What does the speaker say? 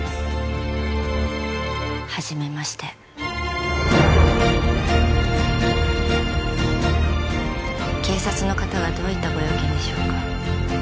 はじめまして警察の方がどういったご用件でしょうか？